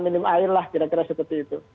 minim air lah kira kira seperti itu